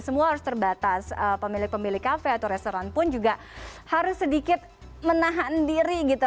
semua harus terbatas pemilik pemilik kafe atau restoran pun juga harus sedikit menahan diri gitu